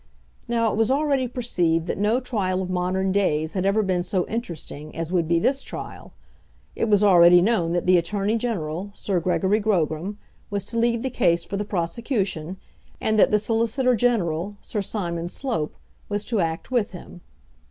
Now it was already perceived that no trial of modern days had ever been so interesting as would be this trial. It was already known that the Attorney General, Sir Gregory Grogram, was to lead the case for the prosecution, and that the Solicitor General, Sir Simon Slope, was to act with him.